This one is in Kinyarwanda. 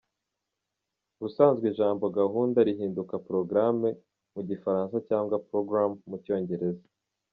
Ubusanzwe ijambo ‘gahunda’ rihinduka ‘programme’ mu Gifaransa cyangwa ‘program’ mu Cyongereza.